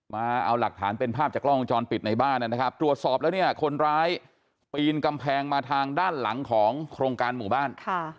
มาเอาหลักฐานเป็นภาพจากกล้องวงจรปิดในบ้านนะครับตรวจสอบแล้วเนี่ยคนร้ายปีนกำแพงมาทางด้านหลังของโครงการหมู่บ้าน